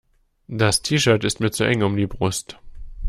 Das T-Shirt ist mir zu eng um die Brust.